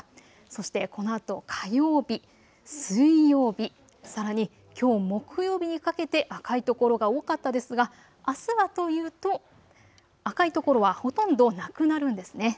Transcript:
そして、このあと火曜日、水曜日、さらにきょう木曜日にかけて赤い所が多かったですがあすはというと赤い所はほとんどなくなるんですね。